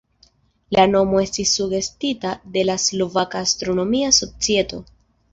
La nomo estis sugestita de la Slovaka Astronomia Societo.